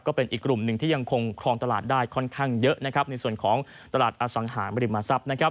ก็เป็นอีกกลุ่มหนึ่งที่ยังคงครองตลาดได้ค่อนข้างเยอะนะครับในส่วนของตลาดอสังหาบริมทรัพย์นะครับ